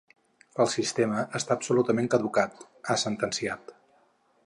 El sistema està absolutament caducat, ha sentenciat.